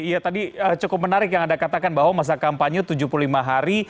iya tadi cukup menarik yang anda katakan bahwa masa kampanye tujuh puluh lima hari